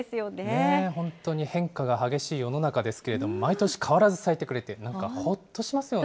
本当に、変化が激しい世の中ですけども、毎年変わらず咲いてくれて、なんかほっとしますよね。